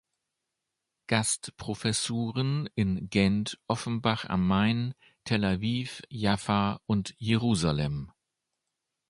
Gastprofessuren in Gent, Offenbach am Main, Tel Aviv-Jaffa und Jerusalem.